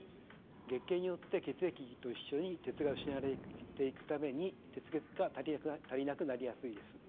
月経によって血液と一緒に鉄が失われていくために鉄が足りなくなりやすいです。